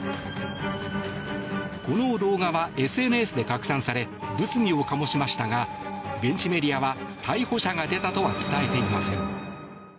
この動画はＳＮＳで拡散され物議を醸しましたが現地メディアは逮捕者が出たとは伝えていません。